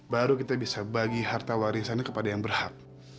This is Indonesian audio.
baru kita bisa bagi harta warisannya kepada yang berhak